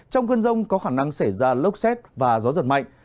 trong cơn rông có khả năng xảy ra lốc xét và gió giật mạnh